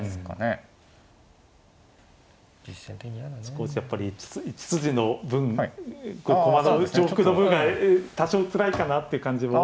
少しやっぱり１筋の分駒の重複の分が多少つらいかなっていう感じも。